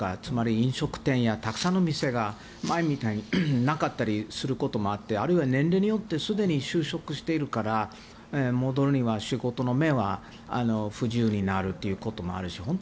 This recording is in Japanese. つまり、飲食店やたくさんの店が前みたいになかったりすることもあってあるいは年齢によってすでに就職しているから戻ったら仕事の面で不自由になるということもあるし